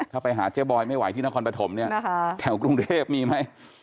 ถ้าไปหาเจ๊บอยไม่ไหวที่นครปฐมเนี่ยแถวกรุงเทพมีไหม